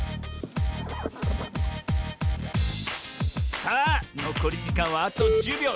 さあのこりじかんはあと１０びょう。